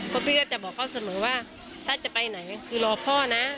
เพราะพี่ก็จะบอกเขาเสมอว่าถ้าจะไปไหนคือรอพ่อนะ